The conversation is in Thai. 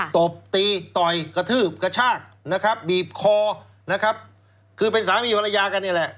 ตบตีต่อยกระทืบกระชากนะครับบีบคอนะครับคือเป็นสามีภรรยากันนี่แหละ